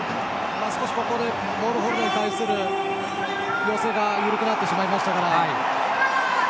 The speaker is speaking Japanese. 少しボールホルダーに対する寄せが緩くなってしまいましたから。